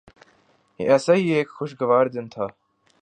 یہ ایسا ہی ایک خوشگوار دن تھا۔